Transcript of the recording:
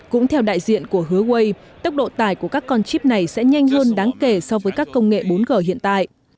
cũng theo đại diện của huawei tốc độ tải của các con chip này sẽ nhanh hơn đáng kể so với các công nghệ bốn g hiện tại